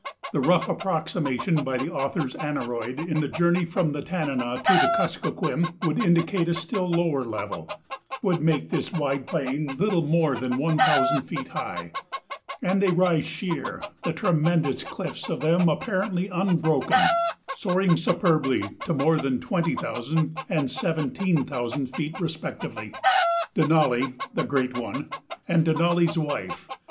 The rough approximation by the author's aneroid in the journey from the Tanana to the Kuskokwim would indicate a still lower level would make this wide plain little more than one thousand feet high. And they rise sheer, the tremendous cliffs of them apparently unbroken, soaring superbly to more than twenty thousand and seventeen thousand feet respectively: Denali, "the great one," and Denali's Wife.